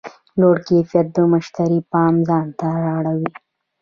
لوړ کیفیت د مشتری پام ځان ته رااړوي.